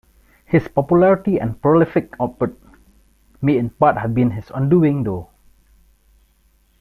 His popularity and prolific output may in part have been his undoing, though.